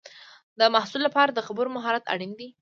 د محصل لپاره د خبرو مهارت اړین دی.